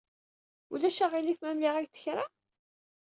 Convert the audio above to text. Ulac aɣilif ma mliɣ-ak-d kra?